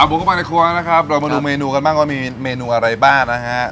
บุกเข้ามาในครัวแล้วนะครับเรามาดูเมนูกันบ้างว่ามีเมนูอะไรบ้างนะฮะ